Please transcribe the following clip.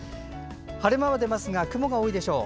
晴れ間は出ますが雲が多いでしょう。